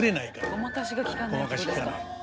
ごまかしがきかないわけですか。